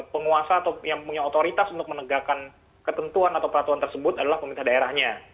penguasa atau yang punya otoritas untuk menegakkan ketentuan atau peraturan tersebut adalah pemerintah daerahnya